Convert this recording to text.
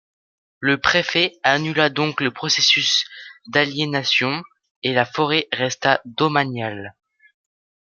Le préfet annula donc le processus d'aliénation et la forêt resta domaniale.